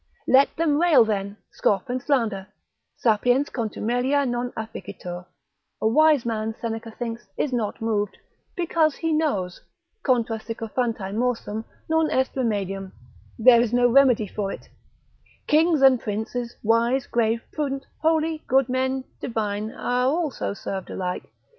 Let them rail then, scoff, and slander, sapiens contumelia non afficitur, a wise man, Seneca thinks, is not moved, because he knows, contra Sycophantae morsum non est remedium, there is no remedy for it: kings and princes, wise, grave, prudent, holy, good men, divine, are all so served alike.